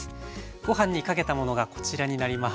ご飯にかけたものがこちらになります。